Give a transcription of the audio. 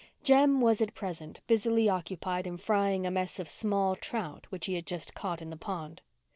Jem was at present busily occupied in frying a mess of small trout which he had just caught in the pond.